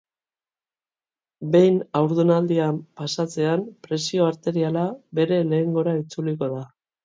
Behin haurdunaldia pasatzean, presio arteriala bere lehengora itzuliko da.